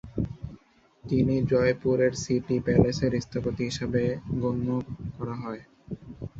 তিনি জয়পুরের সিটি প্যালেসের স্থপতি হিসেবে গণ্য করা হয়।